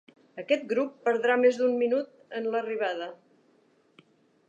Aquest grup perdrà més d'un minut en l'arribada.